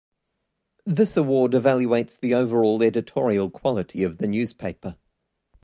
This award evaluates the overall editorial quality of the newspaper.